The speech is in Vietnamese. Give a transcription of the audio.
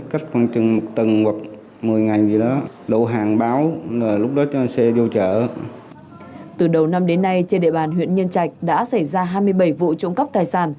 từ đầu năm đến nay trên địa bàn huyện nhân trạch đã xảy ra hai mươi bảy vụ trộm cắp tài sản